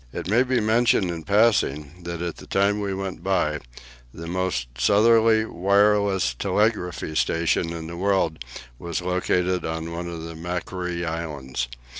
It may be mentioned in passing, that at the time we went by, the most southerly wireless telegraphy station in the world was located on one of the Macquarie Islands.